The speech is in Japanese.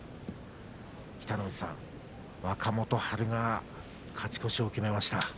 北の富士さん、若元春が勝ち越しを決めました。